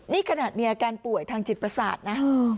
นี่ขนาดมีอาการป่วยทางจิตประสาทนะ